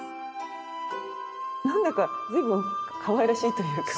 なんだか随分かわいらしいというか。